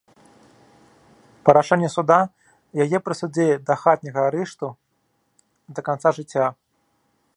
Па рашэнню суда яе прысудзілі да хатняга арышту да канца жыцця.